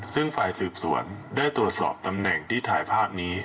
ซึ่งฝ่ายสืบสวนได้ตรวจสอบตำแหน่งที่ถ่ายภาพนี้